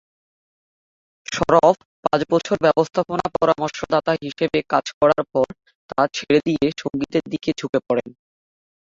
সরফ পাঁচ বছর ব্যবস্থাপনা পরামর্শদাতা হিসাবে কাজ করার পর তা ছেড়ে দিয়ে সংগীতের দিকে ঝুঁকে পড়েন।